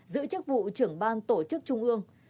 giữ chức vụ trưởng ban tổ chức trung ương